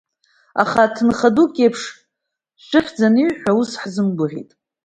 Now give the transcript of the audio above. Аха, ҭынха дук иеиԥш шәыхьӡ аниҳәа, ус ҳзымгәаӷьит.